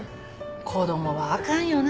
子供はあかんよな。